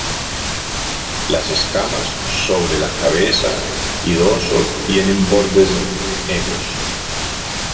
Las escamas sobre la cabeza y dorso tienen bordes negros.